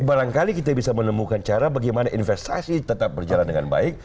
barangkali kita bisa menemukan cara bagaimana investasi tetap berjalan dengan baik